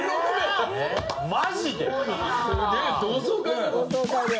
マジで？